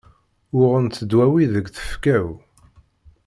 Uɣent ddwawi deg tfekka-w.